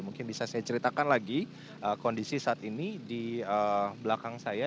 mungkin bisa saya ceritakan lagi kondisi saat ini di belakang saya